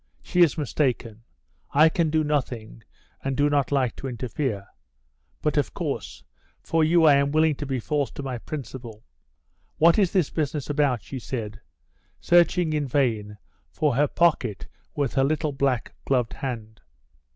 She is mistaken. I can do nothing and do not like to interfere. But, of course, for you I am willing to be false to my principle. What is this business about?" she said, searching in vain for her pocket with her little black gloved hand.